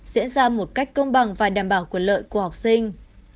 diễn ra một cách công bằng và đảm bảo quyền lợi của học sinh